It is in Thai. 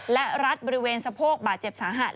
และรัดบริเวณสะโพกบาดเจ็บสาหัส